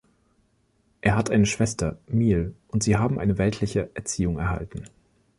Er hat eine Schwester, Miel, und sie haben eine weltliche Erziehung erhalten.